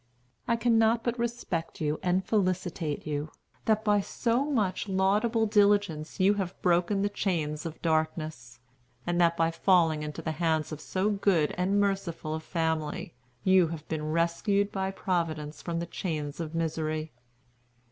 I cannot but respect you and felicitate you, that by so much laudable diligence you have broken the chains of darkness, and that by falling into the hands of so good and merciful a family, you have been rescued by Providence from the chains of misery.